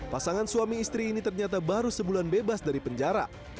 pasangan suami istri ini ternyata baru sebulan bebas dari penjara